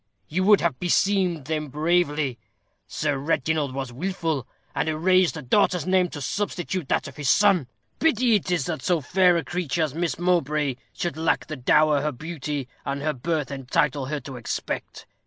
You would have beseemed them bravely. Sir Reginald was wilful, and erased the daughter's name to substitute that of his son. Pity it is that so fair a creature as Miss Mowbray should lack the dower her beauty and her birth entitle her to expect.